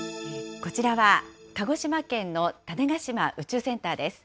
こちらは、鹿児島県の種子島宇宙センターです。